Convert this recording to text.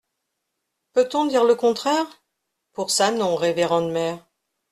Peut-on dire le contraire ? Pour ça non, révérende mère.